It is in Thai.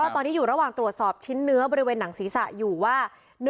ตอนนี้อยู่ระหว่างตรวจสอบชิ้นเนื้อบริเวณหนังศีรษะอยู่ว่า